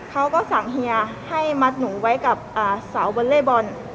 เขาก็สั่งเฮียให้มัดหนูไว้กับสาววอลเล่บอล